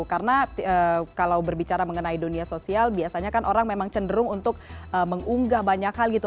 karena kalau berbicara mengenai dunia sosial biasanya kan orang memang cenderung untuk mengunggah banyak hal gitu